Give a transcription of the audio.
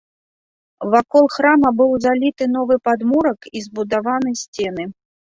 Вакол храма быў заліты новы падмурак і збудаваны сцены.